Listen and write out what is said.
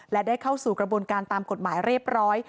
และได้เข้าสู่กระบวนการตามกฎหมายเรียบร้อย